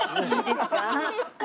いいんですか？